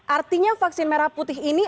artinya vaksin merah putih ini